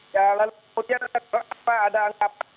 jadi lalu kemudian apa ada angkapan